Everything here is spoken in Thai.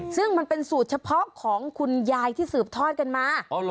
ซึ่งมันเป็นสูตรเฉพาะของคุณยายที่สืบทอดกันมา